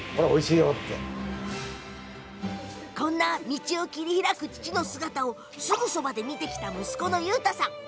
道を切り開く父の姿をすぐそばで見てきた息子の優太さん。